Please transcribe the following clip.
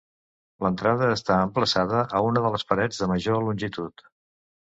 L'entrada està emplaçada a una de les parets de major longitud.